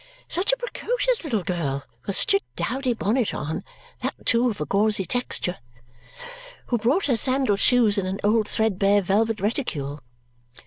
Such a precocious little girl, with such a dowdy bonnet on (that, too, of a gauzy texture), who brought her sandalled shoes in an old threadbare velvet reticule.